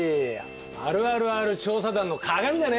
あるあるＲ調査団のかがみだね。